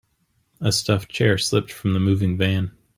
A stuffed chair slipped from the moving van.